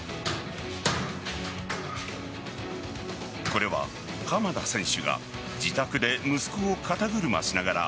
これは鎌田選手が自宅で息子を肩車しながら